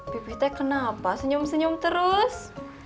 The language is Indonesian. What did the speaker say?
bibitnya kenapa senyum senyum terus